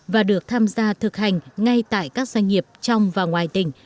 và được tham gia thực hành ngay tại các doanh nghiệp trong và ngoài tỉnh